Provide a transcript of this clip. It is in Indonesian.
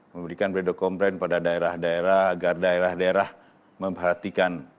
memberikan video conference kepada daerah daerah agar daerah daerah memperhatikan